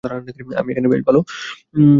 আমি এখানে বেশ ভাল আছি।